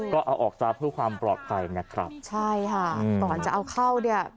ก็เอาออกซะเพื่อความปลอดภัยนะครับใช่ค่ะก่อนจะเอาเข้าเนี่ย